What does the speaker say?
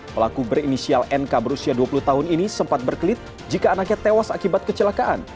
pelaku berinisial nk berusia dua puluh tahun ini sempat berkelit jika anaknya tewas akibat kecelakaan